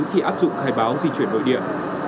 khi áp dụng khai báo di chuyển nội địa